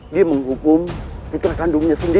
dia menghukum fitra kandungnya sendiri